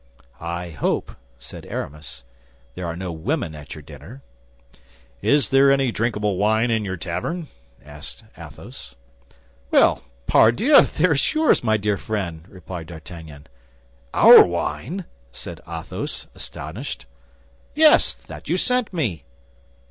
"I hope," said Aramis, "there are no women at your dinner." "Is there any drinkable wine in your tavern?" asked Athos. "Well, pardieu! there is yours, my dear friend," replied D'Artagnan. "Our wine!" said Athos, astonished. "Yes, that you sent me."